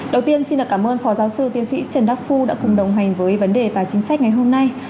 đầu tiên xin cảm ơn phó giáo sư tiến sĩ trần đắc phu đã cùng đồng hành với vấn đề tài chính sách ngày hôm nay